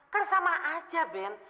kan sama aja ben